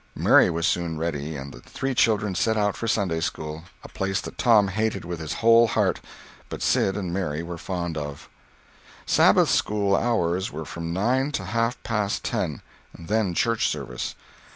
Mary was soon ready, and the three children set out for Sunday school—a place that Tom hated with his whole heart; but Sid and Mary were fond of it. Sabbath school hours were from nine to half past ten; and then church service.